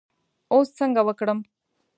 اوس څنګه وکړم.